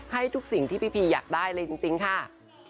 ให้ทุกสิ่งที่พี่พีอยากได้เลยจริงค่ะ